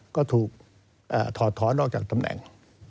ก็ถูกถอดถอนออกจากตำแหน่ง